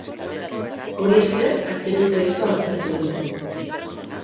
Hori esker azkenik proiektua baztertu egin zen.